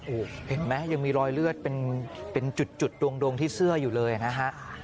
โอ้โหเห็นไหมยังมีรอยเลือดเป็นจุดดงที่เสื้ออยู่เลยนะฮะ